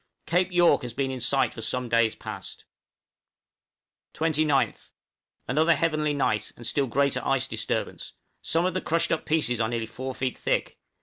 Cape York has been in sight for some days past. 29th. Another heavenly night, and still greater ice disturbance; some of the crushed up pieces are nearly four feet thick.